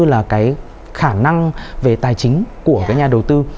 là cái khả năng về tài chính của các nhà đầu tư